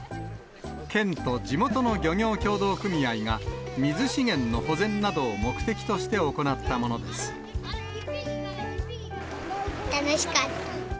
県と地元の漁業協同組合が水資源の保全などを目的として行ったも楽しかった。